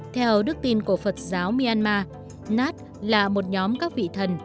theo đức tin của phật giáo myanmar nat là một nhóm các vị thần